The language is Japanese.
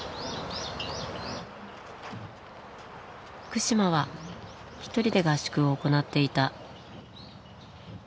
福島は一人で合宿を行っていた。